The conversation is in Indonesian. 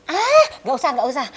ah gak usah gak usah